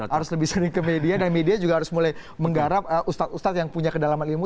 harus lebih sering ke media dan media juga harus mulai menggarap ustadz ustadz yang punya kedalaman ilmu